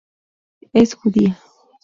Es judía.